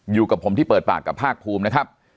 อยู่กับผมที่เปิดปากกับภาคภูมินะครับ